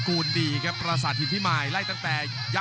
กรุงฝาพัดจินด้า